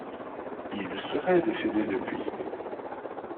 Il serait décédé depuis.